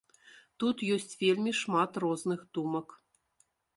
Тут ёсць вельмі шмат розных думак.